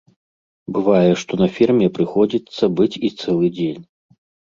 Бывае, што на ферме прыходзіцца быць і цэлы дзень.